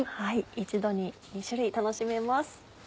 一度に２種類楽しめます。